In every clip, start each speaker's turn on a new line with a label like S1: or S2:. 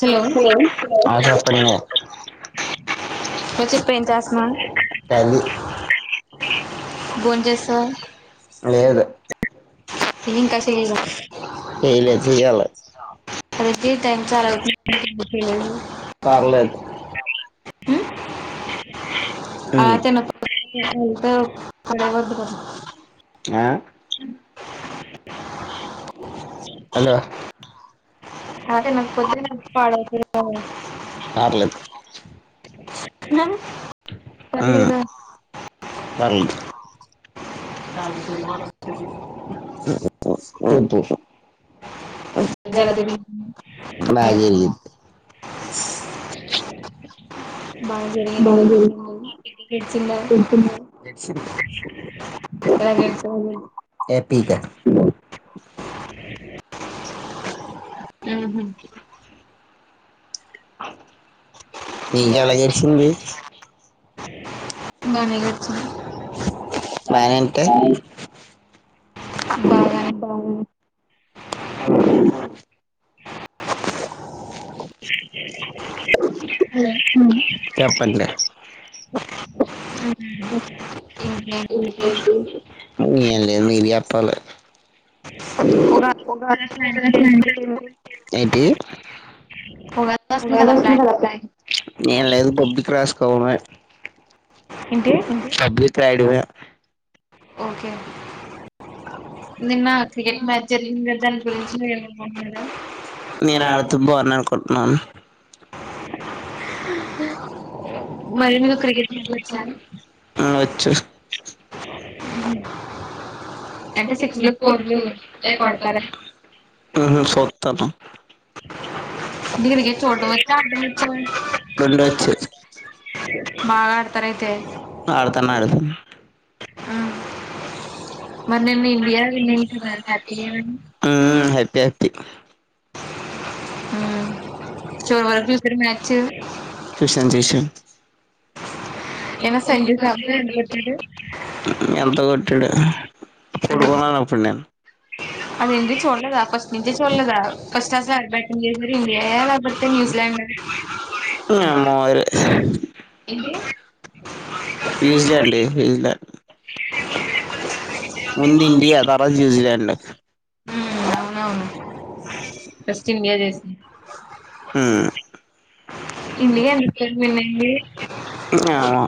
S1: Hello
S2: ఆ చెప్పండి
S1: ఆ చెప్పు ఏం చేస్తనావ్
S2: తల్లి
S1: బొంచేశావా [inaudible]
S2: చేయలే చేయాల
S1: ప్రతీ టైమ్ చాలవతు డిలారీ
S2: పర్లేదు
S1: అ
S2: ఉమ్
S1: తన [inaudible] ఓ
S2: ఆ హలో
S1: [inaudible]
S2: పర్లేదు ఉమ్
S1: పర్లేదా
S2: పర్లేదు
S1: [inaudible] స్ ఓఓ
S2: బాజరిగింది
S1: బాగా జరిగిందా గడిచిందా ఎలా గడిచింది
S2: ఏపీక
S1: [inaudible] హమ్మ
S2: ఉ హు నీకెలా జెరిసింది
S1: గానీ గడిచింది
S2: బాయ్ అంటే
S1: అబ్బా
S2: కం హలో హమ్ చెప్పండి
S1: [inaudible]
S2: ఏంలేదు మిరే చెప్పాలి [inaudible]
S1: ఒక ప్లాన్
S2: ఏంటి
S1: ఉగాది వస్తుంది కదా ప్లాన్
S2: ఏంలేదు పబిక్ రాసుకోవడమే
S1: ఏంటి
S2: సబ్జెక్టు రాయడమే
S1: ఓకే నిన్న క్రికెట్ మ్యాచ్ జరిగింది కదా దాని గురించి [unintelligible]
S2: పట్నం
S1: మరి మీకు క్రికెట్ మ్యాచ్ వచ్చా
S2: అ వచ్చు
S1: అంటే సిక్స్లు ఫోర్లు అవి కొడతారా
S2: ఉహు సుత్తను
S1: ఇదిగరిక చోట వచ్చా
S2: రెండు
S1: అ
S2: వచ్చు
S1: బాగా ఆడ్తార అైతే
S2: ఆడతన్న అడాతను
S1: ఆ మరి
S2: అ
S1: నిన్న ఇండియా విన్నింది కదా హ్యాపీయేనా ఉమ్
S2: హ్యాపి హ్యాపీ
S1: మ్ చోర వర్కు ఫరు మ్యాచ్
S2: చూశాను చూశాను
S1: ఏమైనా సెంచరీ సాధిస్తే ఎందుకు వచ్చాడు
S2: ఎంత కొట్టాడు పడుకున్నాను అప్పుడు నేను
S1: అదంటి చూడలేదా ఫస్ట్ నుంచి చూడలేదా ఫస్ట్ కలాస్లో ఎరు బ్యాటింగ్ చేసారు ఇండియా ఎలా పడితే న్యూజిలాండ్
S2: అమ్మో
S1: ఏంటి
S2: న్యూజిలాండ్ న్యూజిలాండ్
S1: ఉమ్
S2: ముందు ఇండియా తర్వాత న్యూజిలాండ్
S1: అవునవును ఫస్ట్ ఇండియా చేసి
S2: ఆ
S1: ఇండియా ఎందుకు విన్ అయింది
S2: ఆ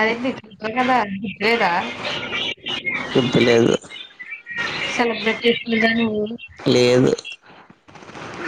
S1: అదేంటి నీకుప్ప కదా గుదిలేదా
S2: గుర్తు లేదు లేదు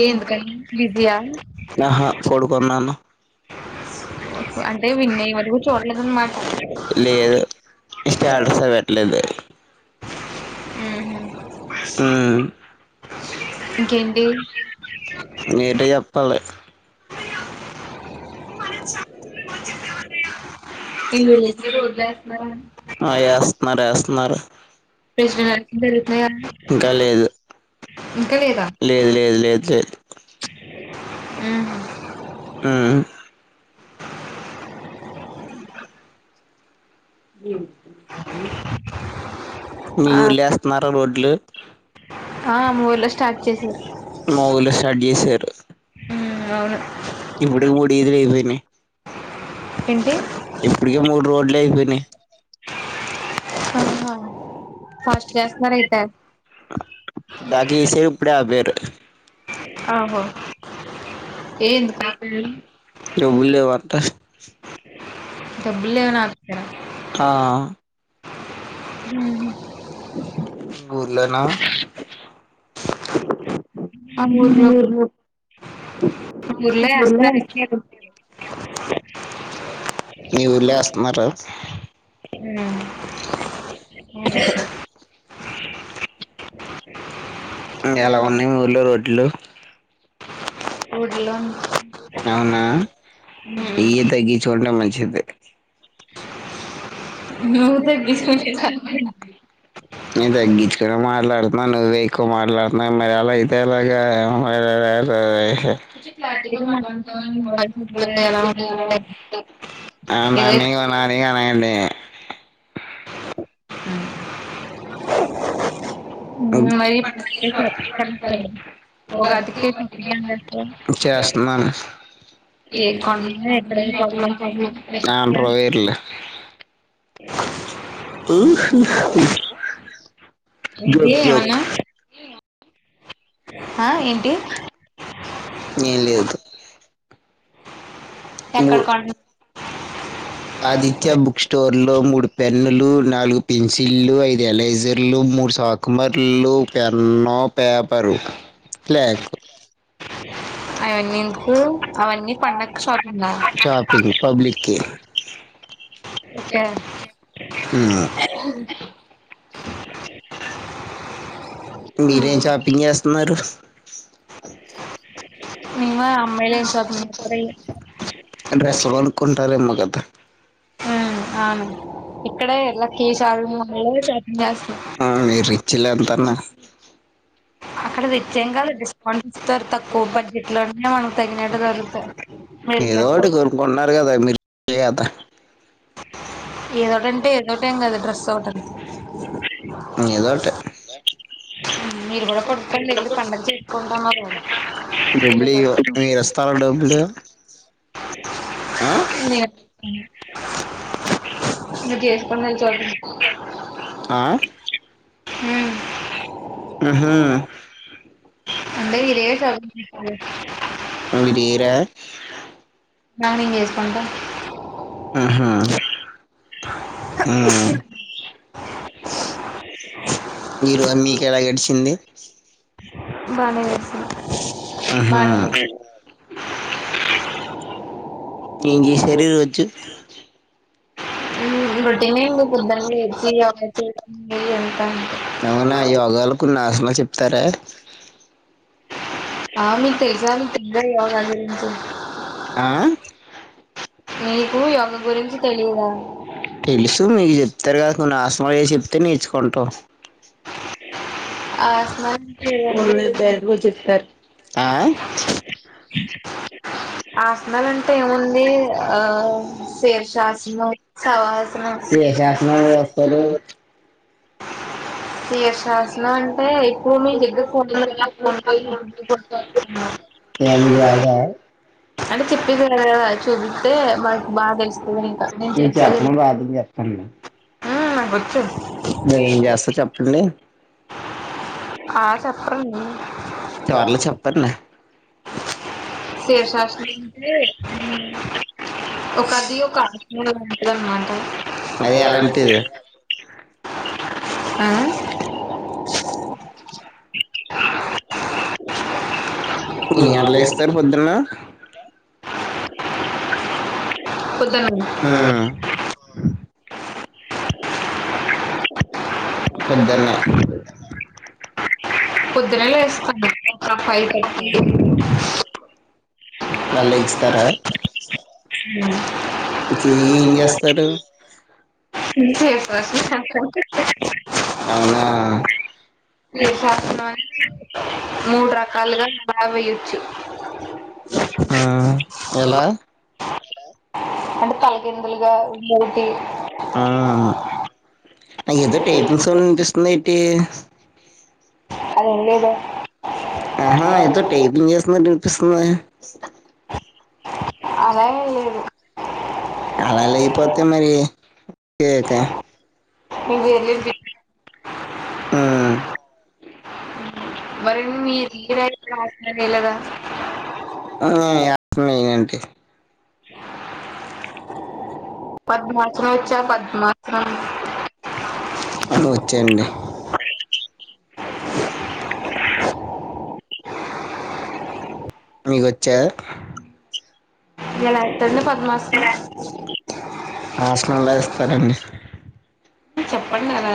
S1: ఏ ఎందుకని బిజీయా
S2: ఆహా పోడుకున్నాను
S1: అంటే విన్ అయ్యే వరకు చూడలేదన్నమాట
S2: లేదు [unintelligible] పెట్టలేదు
S1: ఉహు
S2: మ్మ్
S1: ఇంకేంటి
S2: ఏంటీ చెప్పాలి ఆ
S1: ఈ
S2: ఎస్తూనరు ఎస్తున్నారు
S1: ప్రెసిడెంట్ ఎలక్షన్ జరుగుతున్నాయి
S2: ఇంకా
S1: కదా
S2: లేదు
S1: ఇంకా లేదా
S2: లేదు లేదు లేదు లేదు
S1: మ్మ్
S2: మ్మ్
S1: [inaudible]
S2: మీ
S1: ఆ
S2: ఊరిలో వేస్తున్నారు రోడ్ లు
S1: ఆ మూర్లో స్టార్ట్ చేస
S2: మా ఊర్లో స్టార్ట్ చేశారు
S1: ఉమ్ అవును
S2: ఇప్పుడు మూడు విదిలిపోయినాయి
S1: ఏంటి
S2: ఇప్పుటికే మూడు రోడ్లు అయిపోయినాయి
S1: [unintelligible] చేస్తున్నారు అయితే
S2: [unintelligible] ఇప్పుడే అప్పేరు
S1: ఆహో ఏ ఎందుకు అంటున్నారు?
S2: [unintelligible]
S1: డబ్బులు ఏవనా
S2: ఆ
S1: [unintelligible] మ్మ్
S2: గుల్లనా
S1: ఆ ఊర్లో కూడా
S2: మీ ఊర్లో
S1: [unintelligible]
S2: వేస్తున్నారు
S1: మ్మ్
S2: ఎలా ఉన్నాయి మీ ఊర్లో రోడ్లు
S1: ఊర్లో
S2: అవునా
S1: ఉమ్
S2: ఇయే తగ్గించుకుంటే మంచిది
S1: నువ్వు తగ్గించుకుంటే సరిపోద్ది
S2: ఏద గీచ కూడాడ మారలా అ నన్ను వేకు మాట్లాడుతు మరి అలా అతే అలాగా మ [inaudible]
S1: గట్టిగా మాట్లాడుతావా నీ వాయిస్ అసలు ఎలా ఉందంటే
S2: ఆ
S1: ఏదో
S2: నాని నానిగానడి
S1: అ మరిప్పు చపించా ఒక అదికే చూపిలా అందరికీ కొంటున్నా,
S2: ఆండ్రో వైర్లు
S1: ఏంటి
S2: జోక్ జోక్
S1: ఏమన్నా ఆ ఏంటి
S2: ఏం లేదు మూ
S1: ఎక్కడ కొన్
S2: ఆదిత్య బుక్ స్టోర్లో మూడ్ పెన్నులు నాలుగు పెన్సిల్లు ఐదు ఎలజర్లు మూడు సాాకుమర్లు పెన్న ప్యాప్ పది ప్ల్యాక్
S1: అయన్ని ఎందుకు అవన్నీ పండక్ షాప్ ఉంద
S2: మ్మ్ మీరేం చాపింగ్ చేస్ న్నారు అ
S1: ఇంగ అమ్మయిల్ ఏం చాపింగ్ చేస్తారో ఏమో
S2: డ్రెస్లు కొనుక్కుంటారేమో కదా
S1: మ్మ్ అవును ఇక్కడే ఎల్లా
S2: ఆ మీరు రిచ్లే ఎంతన్నా
S1: అక్కడ నిత్యం కాదు డిస్కౌంట్ ఇస్తారు తక్కువ బడ్జెట్ లోనే మనకు తగినట్టు దొరుకుతాయి
S2: ఏదోటి
S1: మీరు
S2: కొనుక్కుంటున్నారు కదా మీరు [inaudible]
S1: ఏదోటింటే ఏదోట ఏం కదం రెసోర్ట్
S2: ఏదోటి
S1: మీరు కూడా కొడుక్కం లేదు పండగ చే కొంట మ
S2: డబ్బులి మీరు ఇస్తారా డబ్బులు ఆ
S1: నేను- ఇ కేసు పన్న చ
S2: ఆ
S1: మ్
S2: ఆహా
S1: అంటే విర చ
S2: అవి తీయరా
S1: స్నానం చేస్కుంటా
S2: ఆహా అ మీరు మీకు ఎలా గడిచింది
S1: బానే వేసి
S2: ఆహా
S1: [unintelligible]
S2: ఇక
S1: చేస్తున్నా
S2: శరీర్ వచ్చు
S1: బటి ఫుద్ద్దం [unintelligible] [inaudible]
S2: అవునా యోగాలకులకున్నిశన చెప్తారా
S1: ఆమె తె ఎగజా మీ తగద్దా వగంత
S2: ఆ
S1: నీకు యోగ గురించి తెలియదా
S2: తెలుసు మీ తిరగసినవల్ ఆస్వ ఎసి చెప్తే నేర్చుకుంటాం
S1: ఆసనాలు
S2: ఒళ్
S1: చేయండి
S2: పేరట్ కూడా చెప్తారు ఆ
S1: ఆసనాలు అంటే ఏముంది ఆ శేర్షాసనం సవాహసనం
S2: ఏ శాసనాలు వేస్తారు
S1: శేషా అంటే ఎక్వ మీ దగ్గర ఫోన్ ఫోన్
S2: ఏమి రాదా
S1: అంటే చెప్పేది వినదు కదా చూబితే మ
S2: నేను చెప్పడం రాదని చెపుతున్న
S1: ఆ వచ్చు
S2: నే ఏం చేస్తా చెప్పండి
S1: ఆ చెప్పండి
S2: చివర్లో చెప్పండి
S1: శీర్షాసనం అంటే ఒక అది ఒక ఆసనం లాంటిది అన్నమాట.
S2: అదే ఎలాంటిది
S1: ఉ
S2: కొన్ని అట్లా ఇస్తారు పొద్దున్న
S1: పొద్దున్న
S2: ఉమ్ పొద్దున్నే
S1: పొద్దున్నే లేస్తాను ఒక ఫైవ్ థర్టీ
S2: మళ్ళీ ఇస్తారా
S1: హమ్
S2: చేయ్ ఏం చేస్తారు
S1: [unintelligible]
S2: అవునా
S1: మూడు రకాలుగా ఆ వెయ్యొచ్చు
S2: ఆ ఎలా
S1: అంటే తలకిందులుగా ఇంకొటి
S2: ఆ నా ఏదో టేబుల్ సౌండ్ వినిపిస్తుంది ఏటి
S1: అదేం లేదా
S2: ఆహా ఏద టేబుల్ ఉం న్నట్టు పిస్తోందే
S1: అలా ఏం లేదు
S2: అలా లేకపోతే మరి ఏక ఆ
S1: మీ పేర్లు
S2: ఇంకేంటి ఇ
S1: మరి మీరు
S2: మీది
S1: మీరైతే
S2: ఎక్కువ
S1: వేయలేదా
S2: లే అండి హు ఉ ఓకే
S1: [inaudible] పద్మాసనం వచ్చా పద్మాసనం
S2: వచ్చండి మీకొచ్చ
S1: ఇక రాత్రంత పద్మా సనం అ
S2: ఆసనలా ఇేస్తారంండి
S1: చెప్పండి అల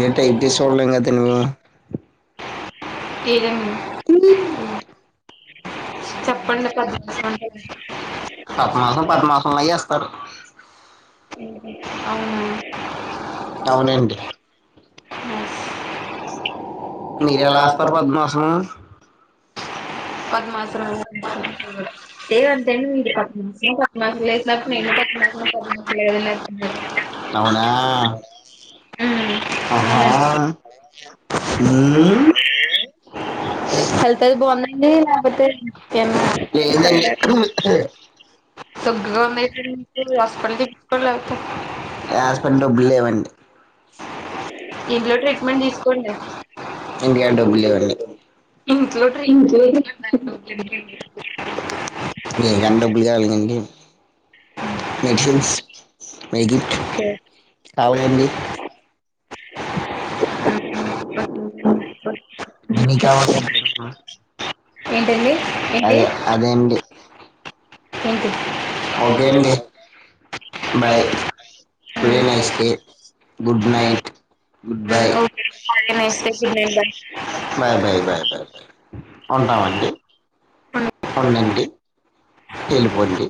S2: ఇ టైటీస్ వా ఇంకా తినవా
S1: ఏదండి చెప్పండి పద్మాసనం అంటే
S2: పపమాసం పద్మాసంల వేస్తారు
S1: అవును
S2: అవును అండి
S1: నైస్
S2: మీర ఎలా వస్తారు పద్మమాసము
S1: పద్మాశ్రమ [inaudible]
S2: అవునా
S1: [inaudible]
S2: ఆహా
S1: హెల్త్ అది బాగుందండి లేకపోతే
S2: లేదండి
S1: సొగ్గగా ఉంది ఏంటండీ హాస్పిటల్ కి తీసుకువెళ్లకపోయారా
S2: హాస్పిటల్ ఎక డబ్బుల్ వ
S1: ఇంట్లో ట్రీట్మెంట్ తీసుకోండి
S2: దేనికన్న డబ్బులు కావాలిండి మెన్స్ మట్ కావడి
S1: ఓకే
S2: ఎ
S1: ఏంటండి ఏంటి
S2: అదే అదేడి
S1: థంక్ యూ
S2: ఓకే అండి bye very nice day good night good bye
S1: నస్తే good
S2: bye
S1: night
S2: bye bye bye bye
S1: బ
S2: ఉంటామండి ఉండండి
S1: బాయ్
S2: ఏలుపోండి